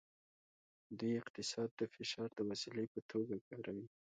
دوی اقتصاد د فشار د وسیلې په توګه کاروي